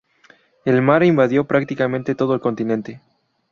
El mar invadió prácticamente todo el continente.